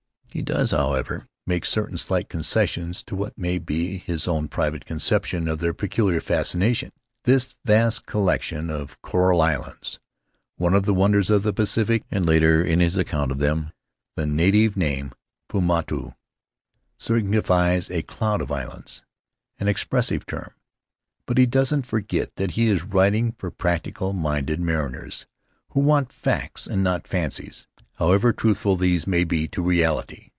He does, Faery Lands of the South Seas however, make certain slight concessions to what may be his own private conception of their peculiar fascina tion, "This vast collection of coral islands; one of the wonders of the Pacific," and later, in his account of them, "The native name, 'Paumotu,' signifies a Cloud of Islands, an expressive term." But he doesn't forget that he is writing for practical minded mariners who want facts and not fancies, however truthful these may be to reality.